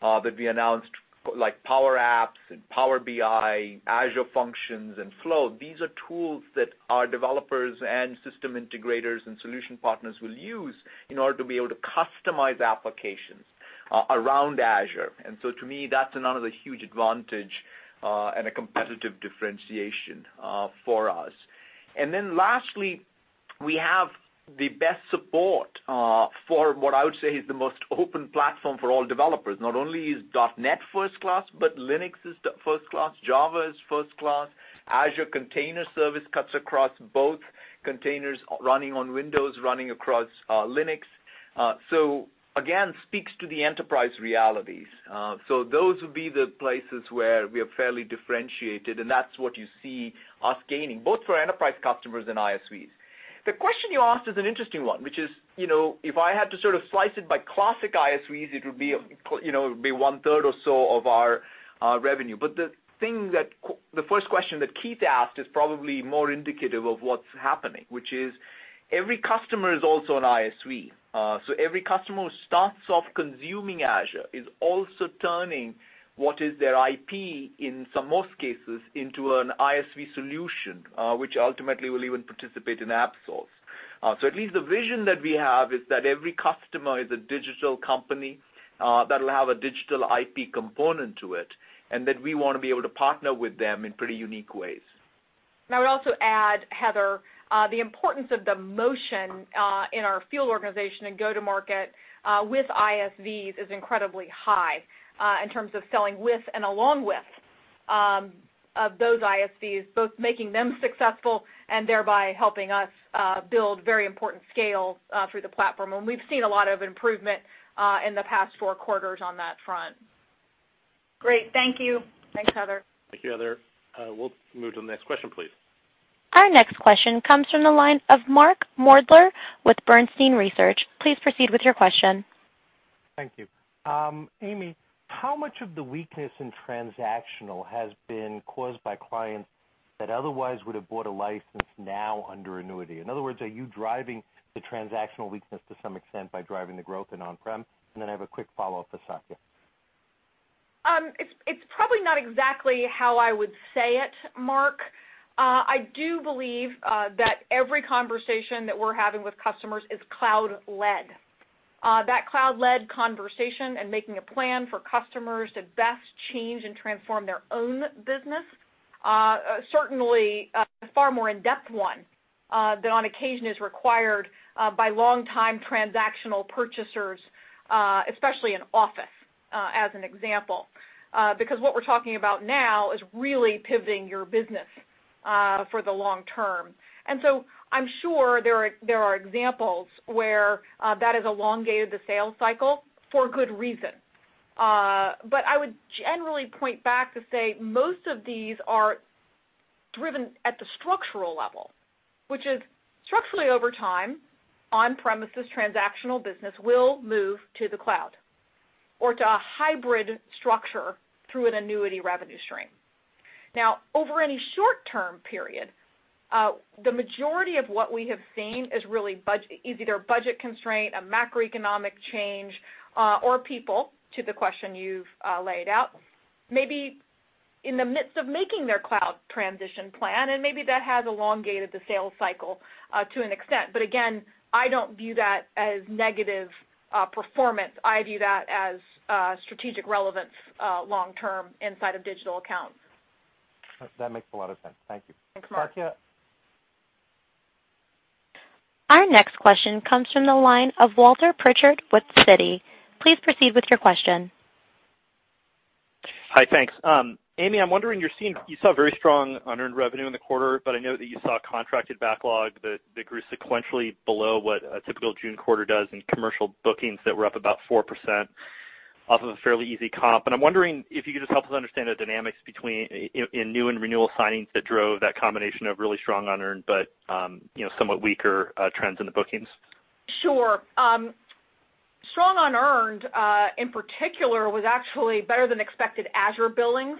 that we announced, like Power Apps and Power BI, Azure Functions, and Flow. These are tools that our developers and system integrators and solution partners will use in order to be able to customize applications around Azure. To me, that's another huge advantage and a competitive differentiation for us. Lastly, we have the best support for what I would say is the most open platform for all developers. Not only is .NET first class, but Linux is first class, Java is first class, Azure Container Service cuts across both containers running on Windows, running across Linux. Again, speaks to the enterprise realities. Those would be the places where we are fairly differentiated, and that's what you see us gaining, both for enterprise customers and ISVs. The question you asked is an interesting one, which is, if I had to sort of slice it by classic ISVs, it would be one-third or so of our revenue. The first question that Keith asked is probably more indicative of what's happening, which is every customer is also an ISV. Every customer who starts off consuming Azure is also turning what is their IP in most cases into an ISV solution, which ultimately will even participate in AppSource. At least the vision that we have is that every customer is a digital company that will have a digital IP component to it, and that we want to be able to partner with them in pretty unique ways. Now, I'd also add, Heather, the importance of the motion in our field organization and go-to-market with ISVs is incredibly high in terms of selling with and along with those ISVs, both making them successful and thereby helping us build very important scale through the platform. We've seen a lot of improvement in the past four quarters on that front. Great. Thank you. Thanks, Heather. Thank you, Heather. We'll move to the next question, please. Our next question comes from the line of Mark Moerdler with Bernstein Research. Please proceed with your question. Thank you. Amy, how much of the weakness in transactional has been caused by clients that otherwise would have bought a license now under annuity? In other words, are you driving the transactional weakness to some extent by driving the growth in on-prem? I have a quick follow-up for Satya. It's probably not exactly how I would say it, Mark. I do believe that every conversation that we're having with customers is cloud-led. That cloud-led conversation and making a plan for customers to best change and transform their own business certainly a far more in-depth one than on occasion is required by long-time transactional purchasers, especially in Office, as an example, because what we're talking about now is really pivoting your business for the long term. I'm sure there are examples where that has elongated the sales cycle for good reason. I would generally point back to say most of these are driven at the structural level, which is structurally over time, on-premises transactional business will move to the cloud or to a hybrid structure through an annuity revenue stream. Over any short-term period, the majority of what we have seen is either a budget constraint, a macroeconomic change, or people to the question you've laid out, may be in the midst of making their cloud transition plan, and maybe that has elongated the sales cycle to an extent. Again, I don't view that as negative performance. I view that as strategic relevance long term inside of digital accounts. That makes a lot of sense. Thank you. Thanks, Mark. Satya? Our next question comes from the line of Walter Pritchard with Citi. Please proceed with your question. Hi, thanks. Amy, I'm wondering, you saw very strong unearned revenue in the quarter, but I know that you saw contracted backlog that grew sequentially below what a typical June quarter does and commercial bookings that were up about 4% off of a fairly easy comp. I'm wondering if you could just help us understand the dynamics in new and renewal signings that drove that combination of really strong unearned but somewhat weaker trends in the bookings. Sure. Strong unearned, in particular, was actually better than expected Azure billings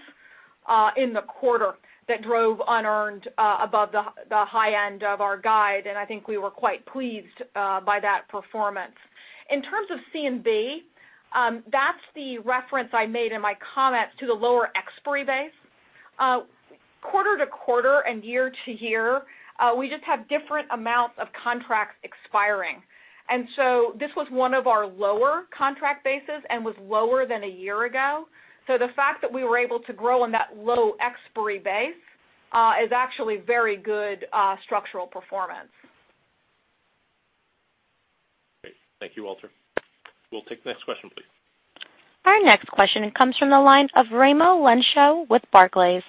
in the quarter that drove unearned above the high end of our guide, and I think we were quite pleased by that performance. In terms of C and B, that's the reference I made in my comments to the lower expiry base. Quarter to quarter and year to year, we just have different amounts of contracts expiring. This was one of our lower contract bases and was lower than a year ago. The fact that we were able to grow on that low expiry base is actually very good structural performance. Great. Thank you, Walter. We'll take the next question, please. Our next question comes from the line of Raimo Lenschow with Barclays.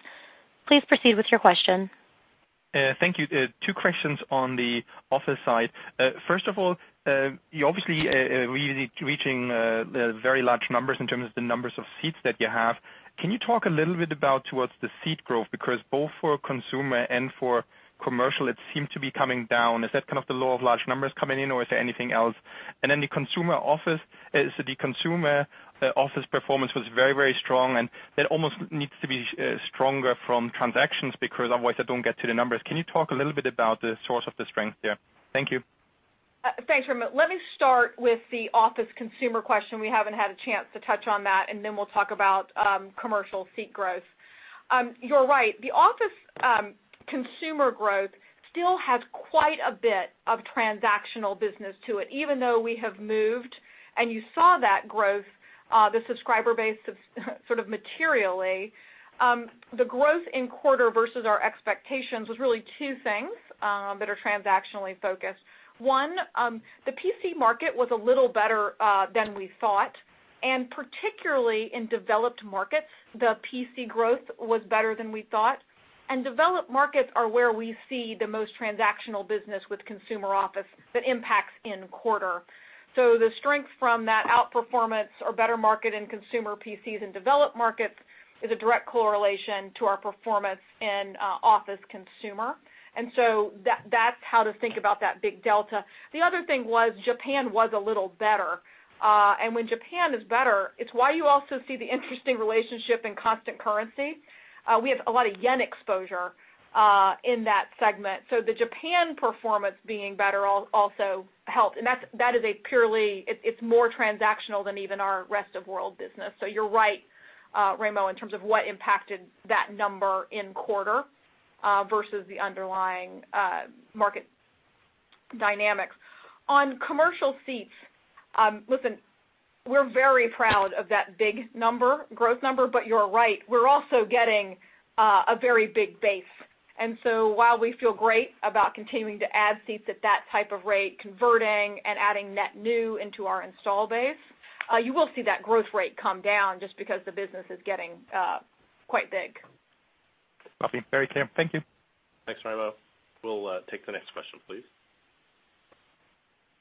Please proceed with your question. Thank you. Two questions on the Office side. First of all, you're obviously really reaching very large numbers in terms of the numbers of seats that you have. Can you talk a little bit about towards the seat growth? Because both for consumer and for commercial, it seemed to be coming down. Is that kind of the law of large numbers coming in or is there anything else? Then the Consumer Office performance was very, very strong, and that almost needs to be stronger from transactions because otherwise, I don't get to the numbers. Can you talk a little bit about the source of the strength there? Thank you. Thanks, Raimo. Let me start with the Office Consumer question. We haven't had a chance to touch on that, and then we'll talk about commercial seat growth. You're right, the Office Consumer growth still has quite a bit of transactional business to it, even though we have moved, and you saw that growth, the subscriber base sort of materially. The growth in quarter versus our expectations was really two things that are transactionally focused. One, the PC market was a little better than we thought, and particularly in developed markets, the PC growth was better than we thought. Developed markets are where we see the most transactional business with Consumer Office that impacts in quarter. So the strength from that outperformance or better market in consumer PCs in developed markets is a direct correlation to our performance in Office Consumer. That's how to think about that big delta. The other thing was Japan was a little better. When Japan is better, it's why you also see the interesting relationship in constant currency. We have a lot of yen exposure in that segment. The Japan performance being better also helped. It's more transactional than even our rest of world business. You're right, Raimo, in terms of what impacted that number in quarter versus the underlying market dynamics. On commercial seats, listen, we're very proud of that big growth number, but you're right. We're also getting a very big base. While we feel great about continuing to add seats at that type of rate, converting and adding net new into our install base, you will see that growth rate come down just because the business is getting quite big. Copy. Very clear. Thank you. Thanks, Raimo. We'll take the next question, please.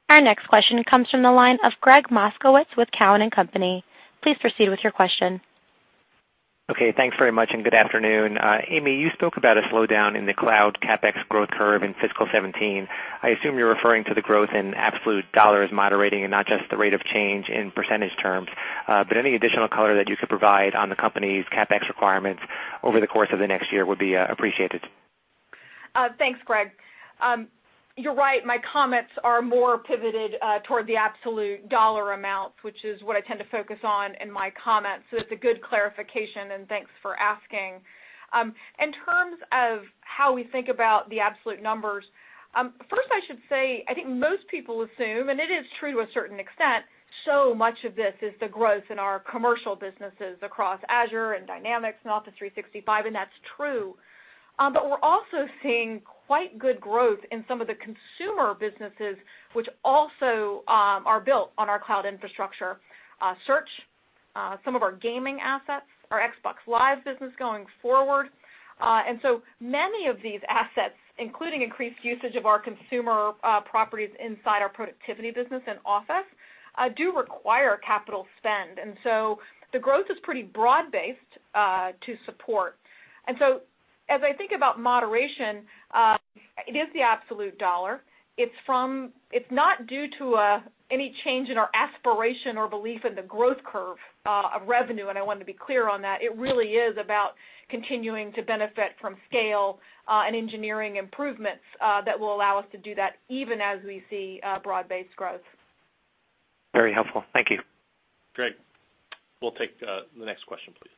Our next question comes from the line of Gregg Moskowitz with Cowen and Company. Please proceed with your question. Okay, thanks very much, and good afternoon. Amy, you spoke about a slowdown in the cloud CapEx growth curve in fiscal 2017. I assume you're referring to the growth in absolute dollars moderating and not just the rate of change in percentage terms. Any additional color that you could provide on the company's CapEx requirements over the course of the next year would be appreciated. Thanks, Gregg. You're right, my comments are more pivoted toward the absolute dollar amounts, which is what I tend to focus on in my comments. It's a good clarification, and thanks for asking. In terms of how we think about the absolute numbers, first, I should say, I think most people assume, and it is true to a certain extent, so much of this is the growth in our commercial businesses across Azure and Dynamics and Office 365, and that's true. We're also seeing quite good growth in some of the consumer businesses, which also are built on our cloud infrastructure. Search, some of our gaming assets, our Xbox Live business going forward. Many of these assets, including increased usage of our consumer properties inside our productivity business and Office, do require capital spend. The growth is pretty broad-based to support. As I think about moderation, it is the absolute dollar. It's not due to any change in our aspiration or belief in the growth curve of revenue, and I want to be clear on that. It really is about continuing to benefit from scale and engineering improvements that will allow us to do that even as we see broad-based growth. Very helpful. Thank you. Gregg. We'll take the next question, please.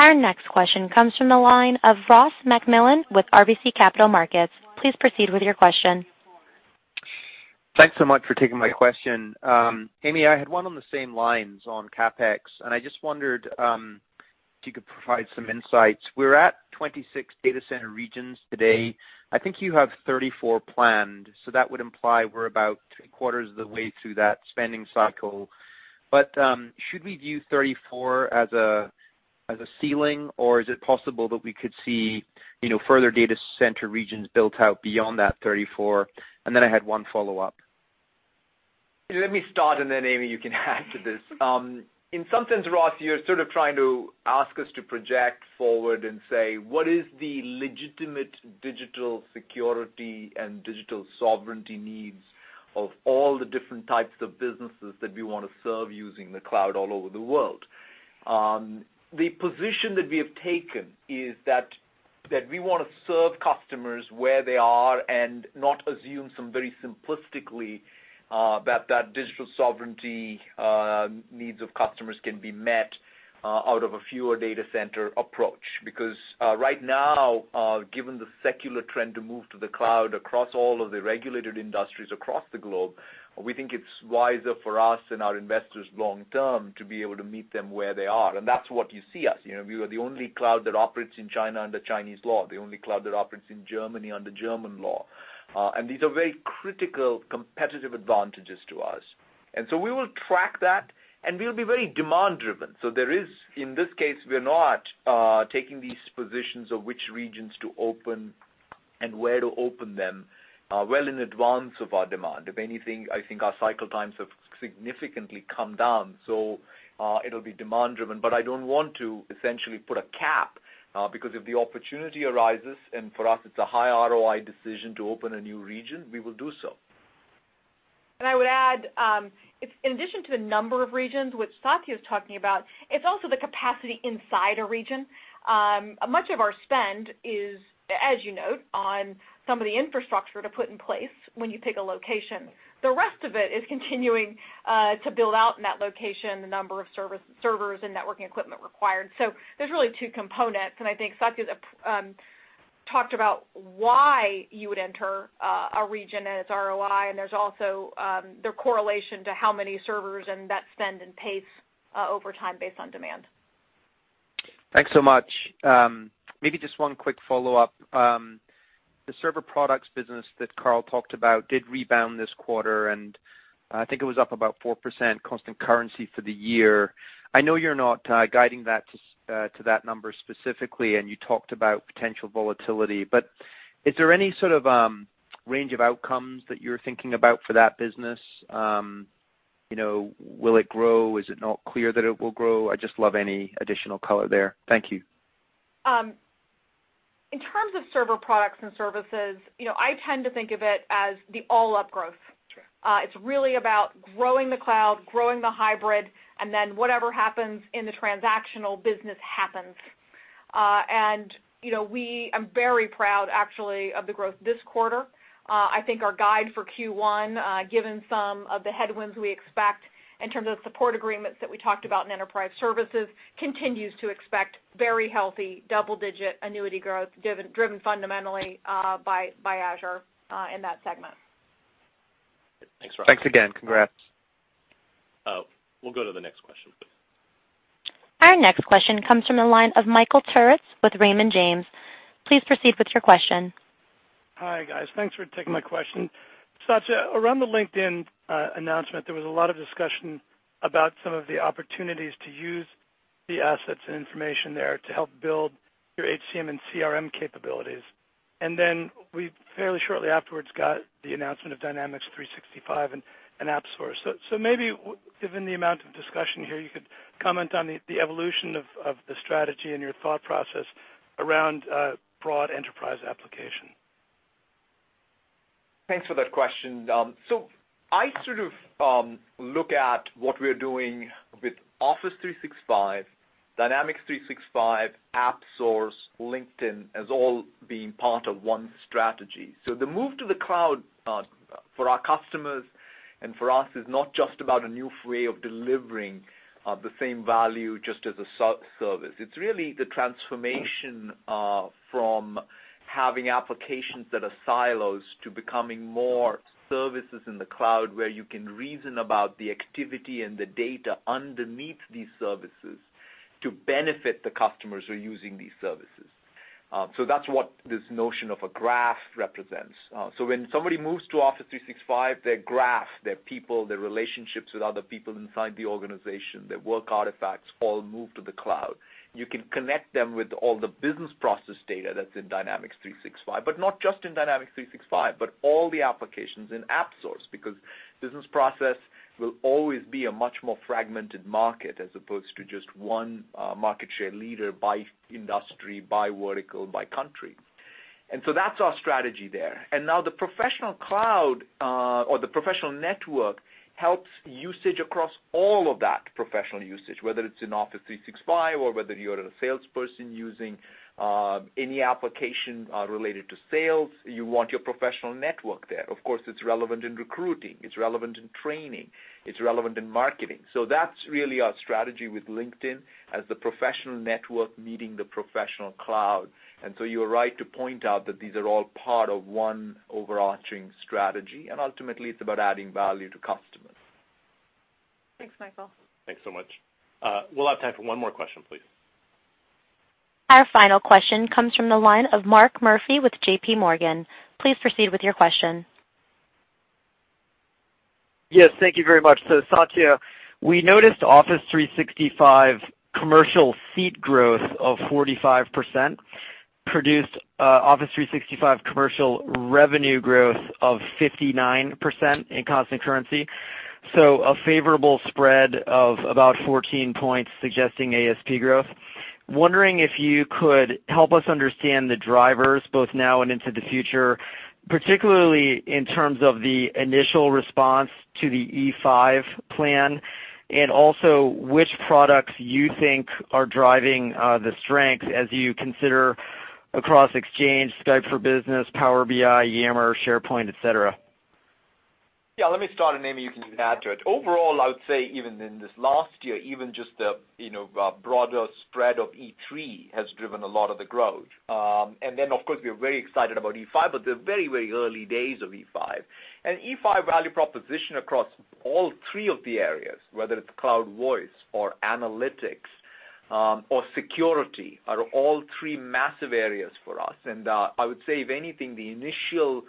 Our next question comes from the line of Ross MacMillan with RBC Capital Markets. Please proceed with your question. Thanks so much for taking my question. Amy, I had one on the same lines on CapEx. I just wondered if you could provide some insights. We're at 26 data center regions today. I think you have 34 planned, that would imply we're about three quarters of the way through that spending cycle. Should we view 34 as a ceiling, or is it possible that we could see further data center regions built out beyond that 34? I had one follow-up. Let me start, Amy, you can add to this. In some sense, Ross, you're sort of trying to ask us to project forward and say, what is the legitimate digital security and digital sovereignty needs of all the different types of businesses that we want to serve using the cloud all over the world? The position that we have taken is that we want to serve customers where they are and not assume very simplistically that digital sovereignty needs of customers can be met out of a fewer data center approach. Right now, given the secular trend to move to the cloud across all of the regulated industries across the globe, we think it's wiser for us and our investors long term to be able to meet them where they are, and that's what you see us. We are the only cloud that operates in China under Chinese law, the only cloud that operates in Germany under German law. These are very critical competitive advantages to us. We will track that, and we'll be very demand-driven. In this case, we're not taking these positions of which regions to open and where to open them well in advance of our demand. If anything, I think our cycle times have significantly come down. It'll be demand-driven, but I don't want to essentially put a cap because if the opportunity arises, and for us it's a high ROI decision to open a new region, we will do so. I would add, in addition to the number of regions, which Satya was talking about, it's also the capacity inside a region. Much of our spend is, as you note, on some of the infrastructure to put in place when you pick a location. The rest of it is continuing to build out in that location, the number of servers and networking equipment required. There's really two components, and I think Satya talked about why you would enter a region, and its ROI, and there's also the correlation to how many servers and that spend and pace over time based on demand. Thanks so much. Maybe just one quick follow-up. The server products business that Karl talked about did rebound this quarter. I think it was up about 4% constant currency for the year. I know you're not guiding that to that number specifically, and you talked about potential volatility, is there any sort of range of outcomes that you're thinking about for that business? Will it grow? Is it not clear that it will grow? I'd just love any additional color there. Thank you. In terms of server products and services, I tend to think of it as the all-up growth. Sure. It's really about growing the cloud, growing the hybrid, then whatever happens in the transactional business happens. We are very proud, actually, of the growth this quarter. I think our guide for Q1, given some of the headwinds we expect in terms of support agreements that we talked about in enterprise services, continues to expect very healthy double-digit annuity growth driven fundamentally by Azure in that segment. Thanks, Ross. Thanks again. Congrats. We'll go to the next question, please. Our next question comes from the line of Michael Turits with Raymond James. Please proceed with your question. Hi, guys. Thanks for taking my question. Satya, around the LinkedIn announcement, there was a lot of discussion about some of the opportunities to use the assets and information there to help build your HCM and CRM capabilities. Then we fairly shortly afterwards got the announcement of Dynamics 365 and AppSource. Maybe, given the amount of discussion here, you could comment on the evolution of the strategy and your thought process around broad enterprise application. Thanks for that question. I sort of look at what we're doing with Office 365, Dynamics 365, AppSource, LinkedIn as all being part of one strategy. The move to the cloud for our customers and for us is not just about a new way of delivering the same value just as a service. It's really the transformation from having applications that are silos to becoming more services in the cloud where you can reason about the activity and the data underneath these services to benefit the customers who are using these services. That's what this notion of a graph represents. When somebody moves to Office 365, their graph, their people, their relationships with other people inside the organization, their work artifacts all move to the cloud. You can connect them with all the business process data that's in Dynamics 365. Not just in Dynamics 365, but all the applications in AppSource, because business process will always be a much more fragmented market as opposed to just one market share leader by industry, by vertical, by country. That's our strategy there. Now the professional cloud, or the professional network, helps usage across all of that professional usage, whether it's in Office 365 or whether you're a salesperson using any application related to sales, you want your professional network there. Of course, it's relevant in recruiting, it's relevant in training, it's relevant in marketing. That's really our strategy with LinkedIn as the professional network meeting the professional cloud. You're right to point out that these are all part of one overarching strategy, and ultimately, it's about adding value to customers. Thanks, Michael. Thanks so much. We'll have time for one more question, please. Our final question comes from the line of Mark Murphy with J.P. Morgan. Please proceed with your question. Yes, thank you very much. Satya, we noticed Office 365 commercial seat growth of 45% produced Office 365 commercial revenue growth of 59% in constant currency. A favorable spread of about 14 points suggesting ASP growth. Wondering if you could help us understand the drivers, both now and into the future, particularly in terms of the initial response to the E5 plan, and also which products you think are driving the strength as you consider across Exchange, Skype for Business, Power BI, Yammer, SharePoint, et cetera. Yeah, let me start, and maybe you can add to it. Overall, I would say even in this last year, even just the broader spread of E3 has driven a lot of the growth. Then, of course, we are very excited about E5, but they're very early days of E5. E5 value proposition across all three of the areas, whether it's Cloud Voice or analytics, or security, are all three massive areas for us. I would say, if anything, the initial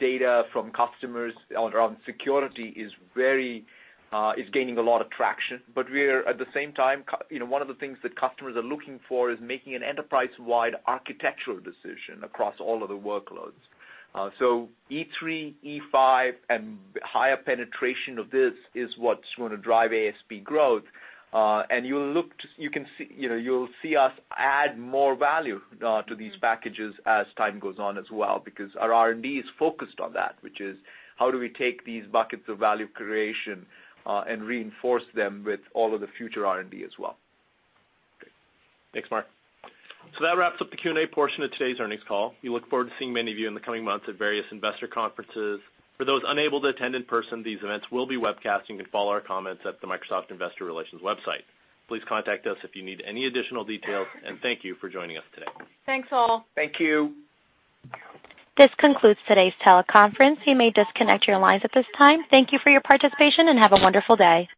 data from customers around security is gaining a lot of traction. We're at the same time, one of the things that customers are looking for is making an enterprise-wide architectural decision across all of the workloads. E3, E5, and higher penetration of this is what's going to drive ASP growth. You'll see us add more value to these packages as time goes on as well, because our R&D is focused on that, which is how do we take these buckets of value creation, and reinforce them with all of the future R&D as well. Great. Thanks, Mark. That wraps up the Q&A portion of today's earnings call. We look forward to seeing many of you in the coming months at various investor conferences. For those unable to attend in person, these events will be webcasting. You can follow our comments at the Microsoft Investor Relations website. Please contact us if you need any additional details, and thank you for joining us today. Thanks, all. Thank you. This concludes today's teleconference. You may disconnect your lines at this time. Thank you for your participation, and have a wonderful day.